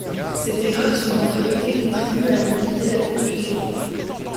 Cette erreur souvent répétée contribue à alimenter la confusion.